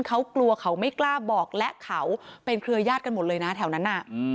เขากลัวเขาไม่กล้าบอกและเขาเป็นเครือยาศกันหมดเลยนะแถวนั้นน่ะ